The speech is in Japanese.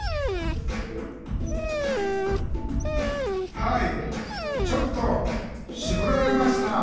「はいちょっとしぼられましたね！」